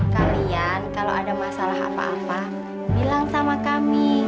kalian kalau ada masalah apa apa bilang sama kami